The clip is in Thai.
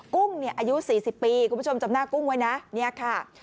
กุ้งเนี่ยอายุ๔๐ปีคุณผู้ชมจำหน้ากุ้งไว้นะเนี่ยค่ะ